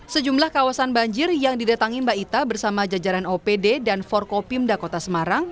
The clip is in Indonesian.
sejumlah kawasan banjir yang didatangi mbak ita bersama jajaran opd dan forkopimda kota semarang